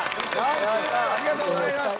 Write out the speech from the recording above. ありがとうございます。